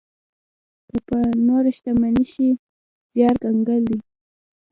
که په نوره شتمنۍ شي، زيار کنګال دی.